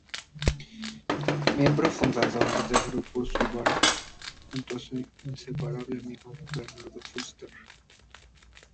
Miembro fundador del grupo Suburbano, junto con su inseparable amigo Bernardo Fuster.